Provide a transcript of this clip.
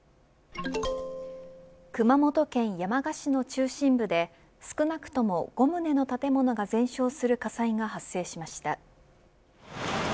熊本県山鹿市の中心部で少なくとも５棟の建物が全焼する火災が発生しました。